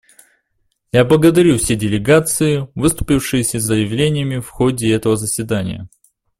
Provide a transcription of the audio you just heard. Я благодарю все делегации, выступившие с заявлениями в ходе этого заседания.